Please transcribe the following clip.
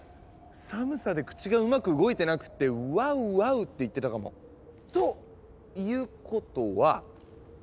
寒さで口がうまく動いてなくって「ワウワウ」って言ってたかも。ということは。